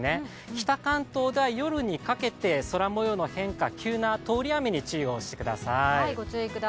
北関東では夜にかけて空もようの変化、急な通り雨に注意をしてください。